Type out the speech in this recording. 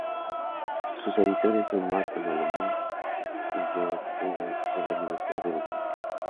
Sus editores son Marta Malamud y John Dugan de la Universidad de Búfalo.